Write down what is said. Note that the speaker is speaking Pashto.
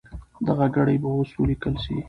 دغه ګړې به اوس ولیکل سي.